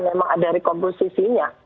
memang ada rekomposisinya